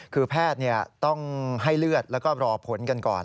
คือแพทย์ต้องให้เลือดแล้วก็รอผลกันก่อน